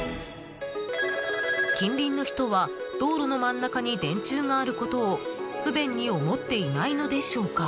近隣の人は道路の真ん中に電柱があることを不便に思っていないのでしょうか。